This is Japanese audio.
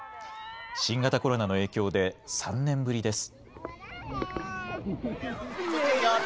新型コロナの影響で、３年ぶりです。